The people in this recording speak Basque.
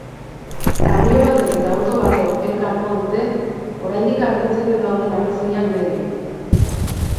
Kamioi batek eta auto batek elkar jo dute oraindik argitzeke dauden arrazoiak medio.